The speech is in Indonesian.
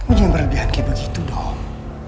kamu jangan berlebihan kayak begitu dong